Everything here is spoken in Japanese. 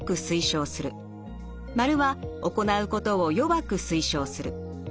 ○は行うことを弱く推奨する。